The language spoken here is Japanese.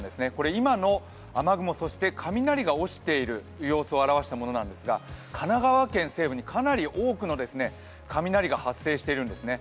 今の雨雲、そして雷が落ちている様子を表したものなんですが神奈川県西部にかなり多くの雷が発生しているんですね。